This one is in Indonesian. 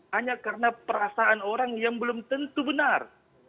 hanya karena perasaan orang yang belum tentu benar